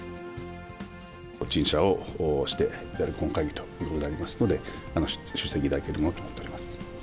陳謝をしていただく本会議ということでありますので、出席いただけるものと思っております。